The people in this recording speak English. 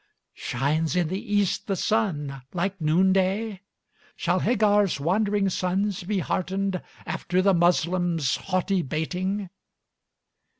Shines in the East the sun, like noonday? Shall Hagar's wandering sons be heartened After the Moslem's haughty baiting?